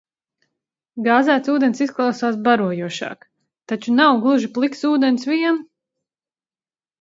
Gāzēts ūdens izklausās barojošāk. Taču nav gluži pliks ūdens vien!